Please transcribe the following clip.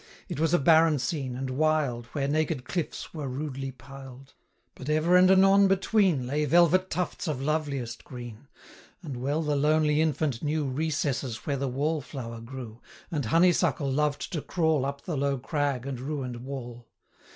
It was a barren scene, and wild, Where naked cliff's were rudely piled; But ever and anon between 170 Lay velvet tufts of loveliest green; And well the lonely infant knew Recesses where the wall flower grew, And honey suckle loved to crawl Up the low crag and ruin'd wall.